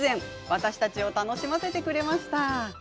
私たちを楽しませてくれました。